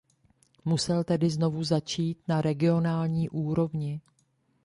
Musel tedy znovu začít na regionální úrovni.